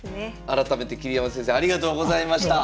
改めて桐山先生ありがとうございました。